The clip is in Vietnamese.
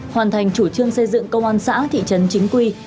hoàn thành chủ trương xây dựng công an xã thị trấn chính quy